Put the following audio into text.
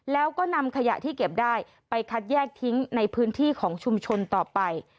แล้วก็นำขยะที่เก็บได้ไปคัดแยกทิ้งในพื้นที่ของชุมชนต่อไป